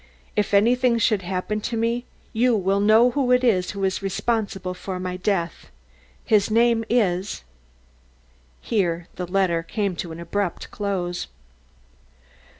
If anything should happen to me, you will know who it is who is responsible for my death. His name is " Here the letter came to an abrupt close.